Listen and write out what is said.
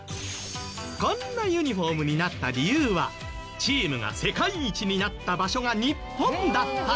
こんなユニフォームになった理由はチームが世界一になった場所が日本だったから。